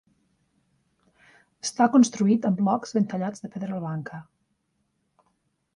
Està construït amb blocs ben tallats de pedra blanca.